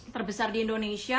terbesar di indonesia